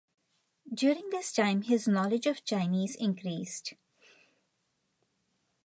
During this time his knowledge of Chinese increased.